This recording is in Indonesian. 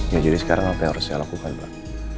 ya jadi sekarang apa yang harus saya lakukan pak